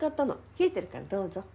冷えてるからどうぞ。